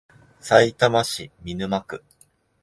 さいたま市見沼区